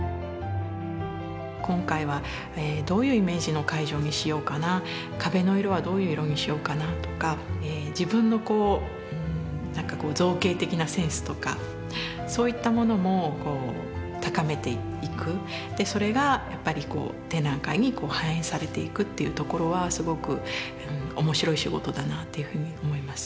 今回はどういうイメージの会場にしようかな壁の色はどういう色にしようかなとか自分の造形的なセンスとかそういったものも高めていくそれがやっぱりこう展覧会に反映されていくっていうところはすごく面白い仕事だなっていうふうに思いますね。